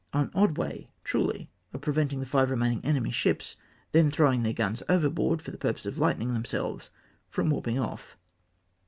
An odd way truly of preventing the five remaining enemy's ships, then throwing their guns overboard for the purpose of hghtening themselves, from warping ofi"!